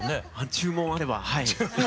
注文あればはい。